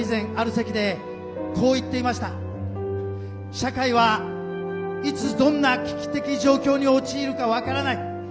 「社会はいつどんな危機的状況に陥るか分からない。